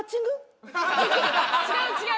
違う違う。